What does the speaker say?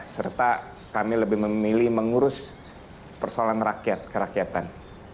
serta kami lebih memilih mengurus persoalan rakyat kerakyatan